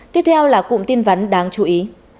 tiếp theo là cụm tin vấn đáng chú ý